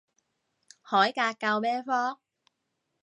海格教咩科？